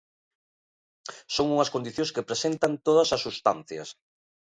Son unhas condicións que presentan todas as substancias.